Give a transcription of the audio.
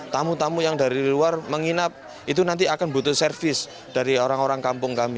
tamu tamu yang dari luar menginap itu nanti akan butuh servis dari orang orang kampung kami